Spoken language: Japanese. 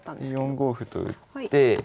４五歩と打って